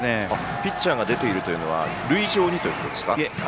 ピッチャーが出ているというのは塁上にということですか？